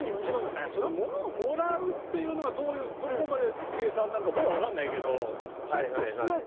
だから物をもらうっていうのがどこまで計算になるか僕はわかんないけどちょっと。